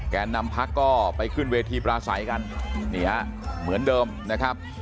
นำพักก็ไปขึ้นเวทีปราศัยกันนี่ฮะเหมือนเดิมนะครับ